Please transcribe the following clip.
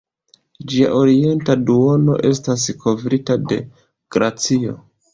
Ĝia orienta duono estas kovrita de glacio.